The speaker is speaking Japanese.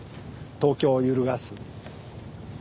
東京を揺るがす大変な。